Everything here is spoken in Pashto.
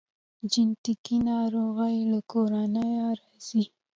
جنیټیکي ناروغۍ له کورنۍ راځي